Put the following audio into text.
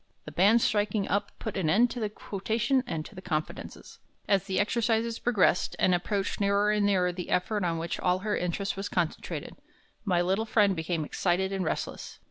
The band striking up put an end to the quotation and to the confidences. As the exercises progressed and approached nearer and nearer the effort on which all her interest was concentrated, my little friend became excited and restless.